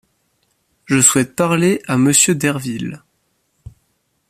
Je souhaite parler à monsieur Derville.